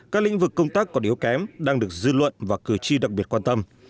các lĩnh vực công tác còn yếu kém đang được dư luận và cử tri đặc biệt quan tâm